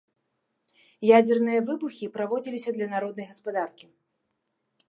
Ядзерныя выбухі праводзіліся для народнай гаспадаркі.